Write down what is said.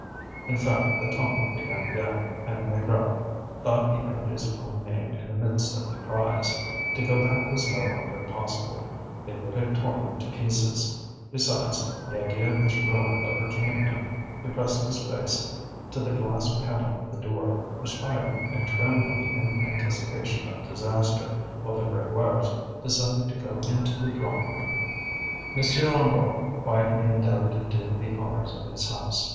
In fact, the tumult began again, and Maigrat thought he heard his own name in the midst of the cries. To go back was no longer possible, they would have torn him to pieces. Besides, the idea of his ruin overcame him. He pressed his face to the glass panel of the door, perspiring and trembling in anticipation of disaster, while the Grégoires decided to go into the drawing room. M. Hennebeau quietly endeavoured to do the honours of his house.